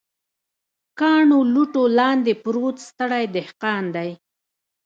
کاڼو، لوټو لاندې پروت ستړی دهقان دی